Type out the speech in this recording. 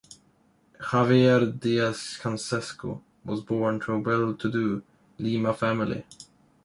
Javier Diez Canseco was born to a well-to-do Lima family.